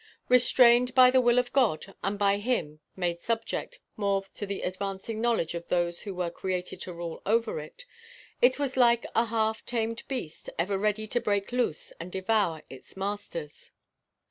Restrained by the will of God and by him made subject more and more to the advancing knowledge of those who were created to rule over it, it was yet like a half tamed beast ever ready to break loose and devour its masters.